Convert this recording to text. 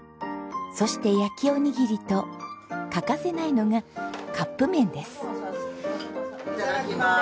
そして焼きおにぎりと欠かせないのがカップ麺です。